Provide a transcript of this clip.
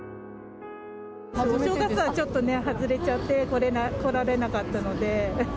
お正月はちょっとね、外れちゃって来られなかったので。